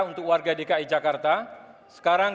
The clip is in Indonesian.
untuk warga dki jakarta sekarang